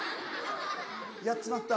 やっちまった。